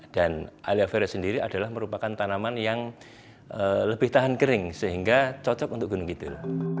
dan aloe vera sendiri adalah merupakan tanaman yang lebih tahan kering sehingga cocok untuk gunung kidul